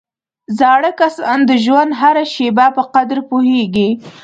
زاړه کسان د ژوند هره شېبه په قدر پوهېږي